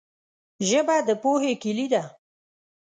ژبه د پوهې کلي ده